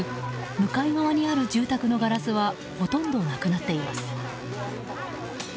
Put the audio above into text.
向かい側にある住宅のガラスはほとんどなくなっています。